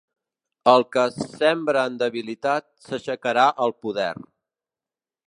El que es sembra en debilitat s'aixecarà al poder.